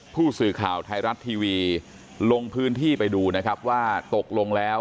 ผู้สื่อข่าวไทยรัฐทีวีลงพื้นที่ไปดูนะครับว่าตกลงแล้ว